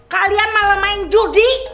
kalian malah main judi